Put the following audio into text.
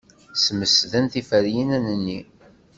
Smesden tiferyin-nni.